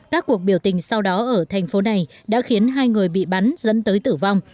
các cuộc biểu tình sau đó ở thành phố này đã khiến hai người bị bắn dẫn tới tử vong